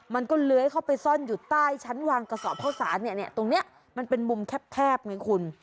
มันก็เลื้อยเข้าไปซ่อนอยู่ใต้ชั้นวางกระสอบข้าวสารเนี่ยตรงนี้มันเป็นมุมแคบไงคุณ